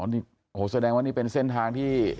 นี่โอ้โหแสดงว่านี่เป็นเส้นทางที่